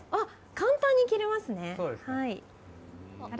簡単に切れますね。